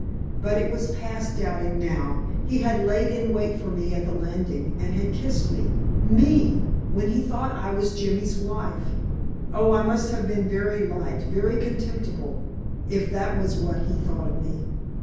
But it was past doubting now; he had lain in wait for me at the landing, and had kissed me, ME, when he thought I was Jimmy's wife. Oh, I must have been very light, very contemptible, if that was what he thought of me!